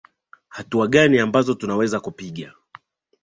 hatua gani ambazo tunaweza kupiga